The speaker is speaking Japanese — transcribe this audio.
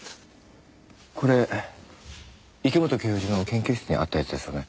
これ池本教授の研究室にあったやつですよね？